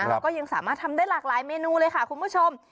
เราก็ยังสามารถทำได้หลากหลายเมนูเลยค่ะคุณผู้ชม